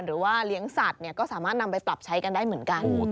หรือว่าเลี้ยงสัตว์ก็สามารถนำไปปรับใช้กันได้เหมือนกัน